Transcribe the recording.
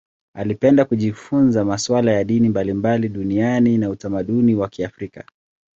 Alipenda kujifunza masuala ya dini mbalimbali duniani na utamaduni wa Kiafrika.